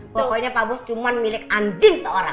pokoknya pak bos cuma milik anjing seorang